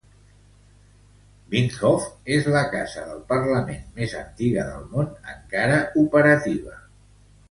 Binnenhof és la casa del Parlament més antiga del món encara operativa.